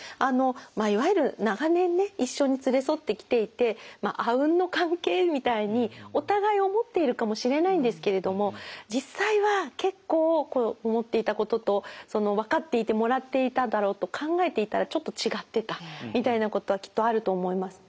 いわゆる長年ね一緒に連れ添ってきていてあうんの関係みたいにお互い思っているかもしれないんですけれども実際は結構思っていたことと分かっていてもらっていただろうと考えていたらちょっと違ってたみたいなことはきっとあると思います。